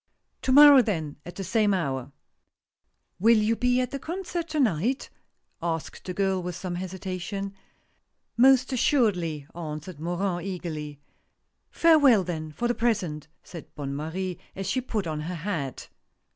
To morrow then, at the same hour." " Will you be at the concert to night ?" asked the girl, with some hesitation. " Most assuredly," answered Morin, eagerly. " Farewell, then, for the present," said Bonne Marie, as she put on her hat.